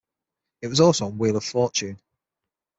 It was also on "Wheel of Fortune".